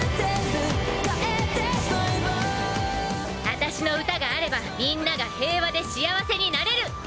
私の歌があればみんなが平和で幸せになれる。